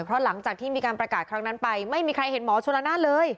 เพราะหลังจากที่มีการประกาศครั้งนั้นไปไม่มีใครเห็นหมอชนละนานเลย